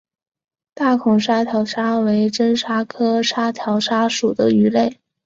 大孔沙条鲨为真鲨科沙条鲨属的鱼类。